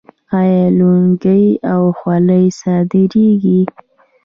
آیا لونګۍ او خولۍ صادریږي؟